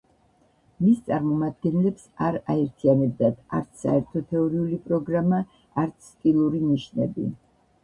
მის წარმომადგენლებს არ აერთიანებდათ არც საერთო თეორიული პროგრამა, არც სტილური ნიშნები.